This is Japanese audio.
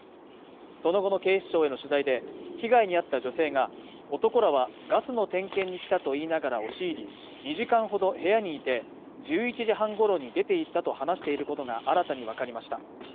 その後の警視庁への取材で、被害に遭った女性が、男らは、ガスの点検に来たと言いながら押し入り、２時間ほど部屋にいて、１１時半ごろに出ていったと話していることが新たにわかりました。